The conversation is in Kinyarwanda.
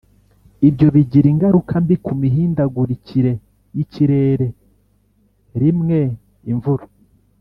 ibyo bigira ingaruka mbi ku mihindagurikire y'ikirere, rimwe imvura